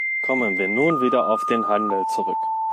Kommen wir nun wieder auf den Handel zurück.